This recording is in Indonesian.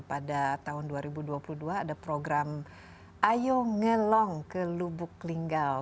pada tahun dua ribu dua puluh dua ada program ayo ngelong ke lubuk linggau